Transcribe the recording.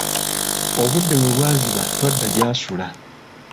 Obudde we bwaziba twadda gy'asula.